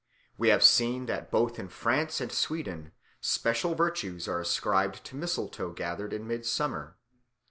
We have seen that both in France and Sweden special virtues are ascribed to mistletoe gathered at Midsummer.